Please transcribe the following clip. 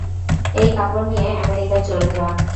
এই কাপড় নিয়ে আমেরিকায় চলে যা।